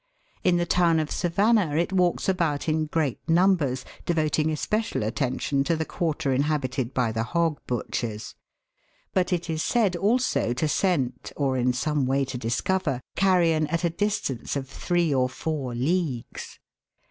In the town of Savannah it walks about in great numbers, devoting especial attention to the quarter inhabited by the hog butchers. But it is said also to scent, or in some way to discover, carrion at a distance of three or four leagues.